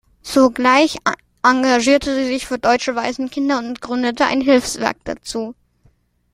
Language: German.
Zugleich engagierte sie sich für deutsche Waisenkinder und gründete ein Hilfswerk dazu.